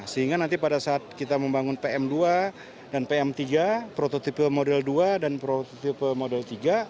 sehingga nanti pada saat kita membangun pm dua dan pm tiga prototipe model dua dan prototipe model tiga